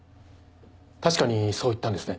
確かにそう言ったんですね？